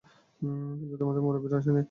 কিন্তু তোমাদের মুরুব্বিরা আসেনি?